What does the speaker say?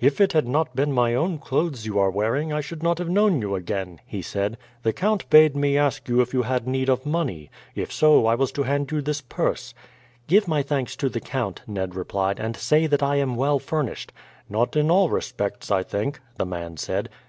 "If it had not been my own clothes you are wearing, I should not have known you again," he said. "The count bade me ask you if you had need of money? If so, I was to hand you this purse." "Give my thanks to the count," Ned replied, "and say that I am well furnished." "Not in all respects, I think," the man said.